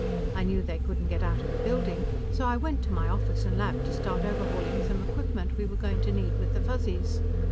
I knew they couldn't get out of the building, so I went to my office and lab to start overhauling some equipment we were going to need with the Fuzzies.